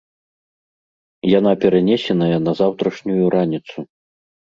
Яна перанесеная на заўтрашнюю раніцу.